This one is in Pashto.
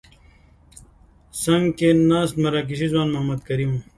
څنګ کې ناست مراکشي ځوان محمد کریم وو.